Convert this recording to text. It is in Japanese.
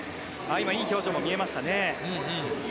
いい表情も見えましたね。